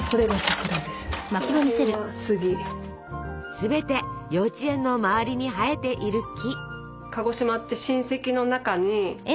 全て幼稚園の周りに生えている木。